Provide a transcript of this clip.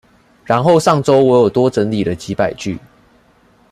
然後上週我有多整理了幾百句